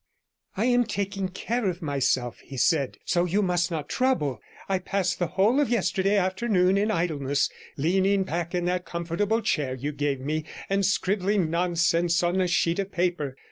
'I am taking care of myself,' he said, 'so you must not trouble; I passed the whole of yesterday afternoon in idleness, leaning back in that comfortable chair you gave me, and scribbling nonsense on a sheet of paper.